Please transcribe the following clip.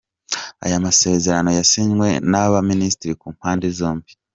Aya masezerano yasinywe na ba Minisitiri ku mpande zombi.